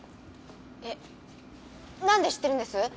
えなんで知ってるんです？